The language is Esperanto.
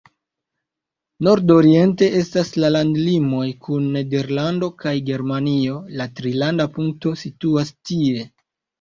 Nord-oriente estas la landlimoj kun Nederlando kaj Germanio, la trilanda punkto situas tie.